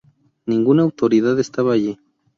Ninguna autoridad estaba allí.